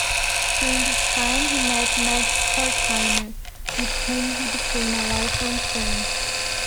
During this time he met Max Horkheimer, with whom he became a lifelong friend.